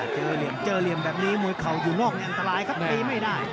เจอเหลี่ยมแบบนี้มวยเขาอยู่นอกอันตรายครับตีไม่ได้